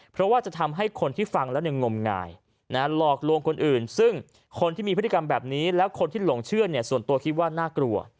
เพราะว่าจะทำให้คนที่ฟังแล้วงมงายหลอกลวงคนอื่นซึ่งคนที่มีพฤติกรรมแบบนี้แล้วคนที่หลงเชื่อส่วนตัวคิดว่าน่ากลัว